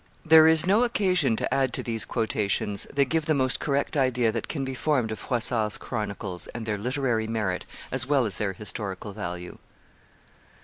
There is no occasion to add to these quotations; they give the most correct idea that can be formed of Froissart's chronicles and their literary merit as well as their historical value.